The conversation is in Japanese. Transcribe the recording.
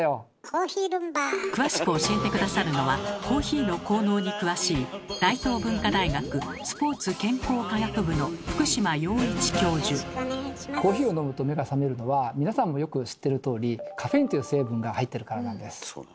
詳しく教えて下さるのはコーヒーの効能に詳しい皆さんもよく知ってるとおり「カフェイン」という成分が入ってるからなんです。